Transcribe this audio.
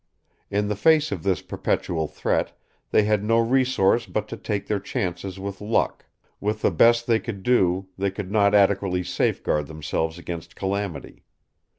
In the face of this perpetual threat, they had no resource but to take their chances with luck; with the best they could do, they could not adequately safeguard themselves against calamity.